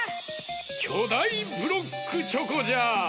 きょだいブロックチョコじゃ！